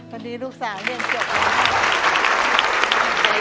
พอดีลูกสาวเรียนจบแล้ว